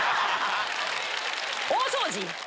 大掃除！